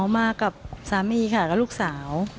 มากับสามีค่ะกับลูกสาว